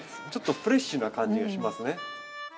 ちょっとフレッシュな感じがしますね。